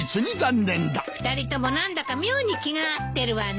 ２人とも何だか妙に気が合ってるわね。